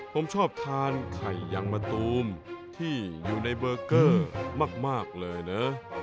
ผมชอบทานไข่ยังมะตูมที่อยู่ในเบอร์เกอร์มากเลยนะ